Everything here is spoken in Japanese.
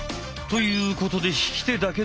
ということで引き手だけの練習。